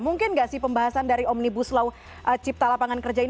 mungkin tidak pembahasan dari omnibus law cipta lapangan kerja